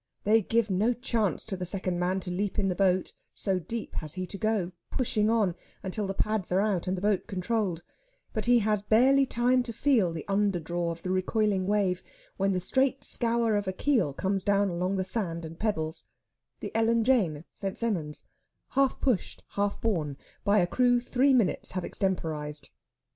They give no chance to the second man to leap into the boat, so deep has he to go, pushing on until the pads are out and the boat controlled; but he has barely time to feel the underdraw of the recoiling wave when the straight scour of a keel comes down along the sand and pebbles the Ellen Jane, St. Sennans half pushed, half borne by a crew three minutes have extemporised.